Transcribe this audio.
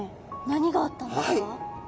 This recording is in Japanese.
何があったんですか？